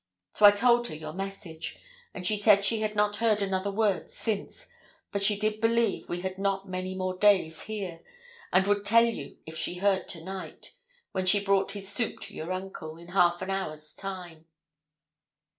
So I told her your message, and she said she had not heard another word since; but she did believe we had not many more days here, and would tell you if she heard to night, when she brought his soup to your uncle, in half an hour's time.'